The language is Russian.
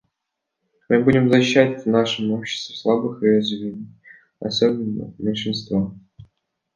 Мы будем защищать в нашем обществе слабых и уязвимых, особенно меньшинства.